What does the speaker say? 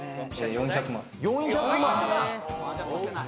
４００万？